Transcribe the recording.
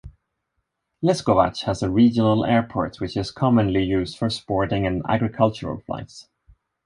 Leskovac has a regional airport, which is commonly used for sporting and agricultural flights.